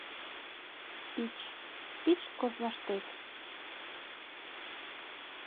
Пич, пич кожлаштет